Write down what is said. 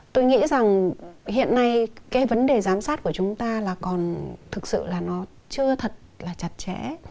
tôi nghĩ rằng hiện nay cái vấn đề giám sát của chúng ta là còn thực sự là nó chưa thật là chặt chẽ